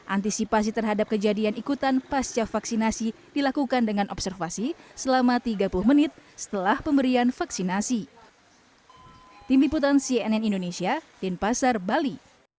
antisipasi terhadap kejadian ikutan pasca vaksinasi dilakukan dengan observasi selama tiga puluh menit setelah pemberian vaksinasi